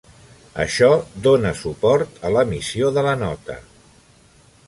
Això dona suport a l'emissió de la nota.